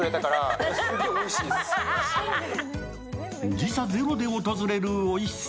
時差ゼロで訪れるおいしさ。